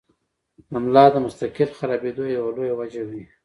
د ملا د مستقل خرابېدو يوه لويه وجه وي -